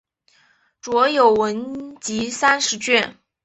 着有文集三十卷。